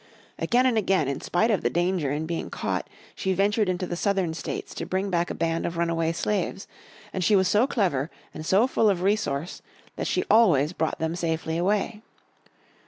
Again and again, in spite of the danger in being caught, she ventured into the Southern States to bring back a band of runaway slaves. And she was so clever and so full of resource that she always brought them safely away.